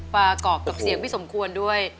ประกอบกับเสียงพี่สมควรด้วย